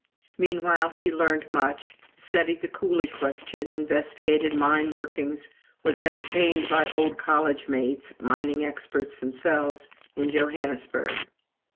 Meanwhile he learned much, studied the coolie question, investigated mine workings, was entertained by his old college mates mining experts themselves in Johannesburg.